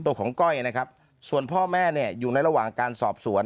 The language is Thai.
ตัวของก้อยนะครับส่วนพ่อแม่เนี่ยอยู่ในระหว่างการสอบสวน